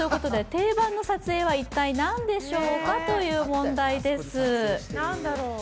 定番の撮影は一体、何でしょうかという問題です。